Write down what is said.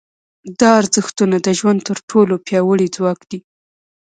دا ارزښتونه د ژوند تر ټولو پیاوړي ځواک دي.